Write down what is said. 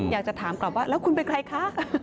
อยากจะถามกลับว่าแล้วคุณเป็นใครคะ